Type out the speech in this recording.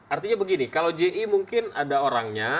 artinya begini kalau ji mungkin ada orangnya